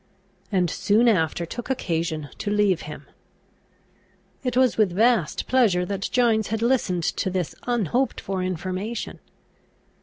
and soon after took occasion to leave him. It was with vast pleasure that Gines had listened to this unhoped for information.